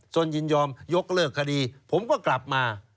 ยินยอมยกเลิกคดีผมก็กลับมา